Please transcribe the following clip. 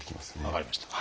分かりました。